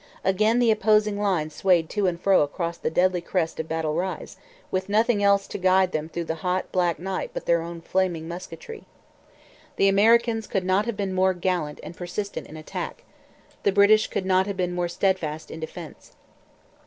Again the opposing lines swayed to and fro across the deadly crest of Battle Rise, with nothing else to guide them through the hot, black night but their own flaming musketry. The Americans could not have been more gallant and persistent in attack: the British could not have been more steadfast in defence.